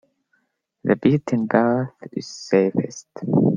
The beaten path is safest.